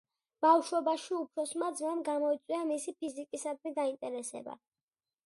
ბავშვობაში უფროსმა ძმამ გამოიწვია მისი ფიზიკისადმი დაინტერესება.